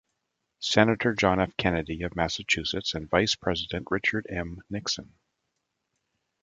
Senator John F. Kennedy of Massachusetts and Vice President Richard M. Nixon.